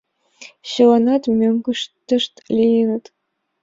Чыланат мӧҥгыштышт лийыныт.